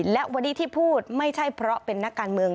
และวันนี้ที่พูดไม่ใช่เพราะเป็นนักการเมือง